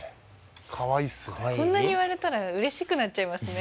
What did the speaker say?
こんなに言われたら嬉しくなっちゃいますね